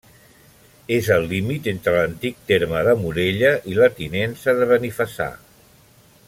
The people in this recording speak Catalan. És el límit entre l'antic terme de Morella i la Tinença de Benifassà.